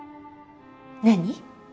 何？